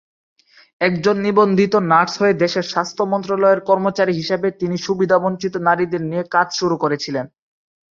একজন নিবন্ধিত নার্স হয়ে দেশের স্বাস্থ্য মন্ত্রণালয়ের কর্মচারী হিসাবে তিনি সুবিধাবঞ্চিত নারীদের নিয়ে কাজ শুরু করেছিলেন।